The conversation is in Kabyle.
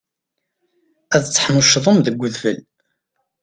Ad teḥnuccḍem deg udfel.